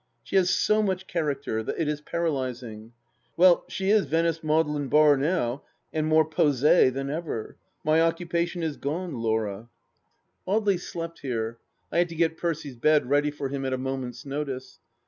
She has so much character that it is paralysing. ... Well, she is Venice Magdalen Bar now, and more posie than ever. My occupation is gone, Laura. ... 278 THE LAST DITCH Audely slept here. I had to get Percy's bed ready for him at a moment's notice.